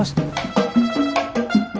masa mainnya ular tangga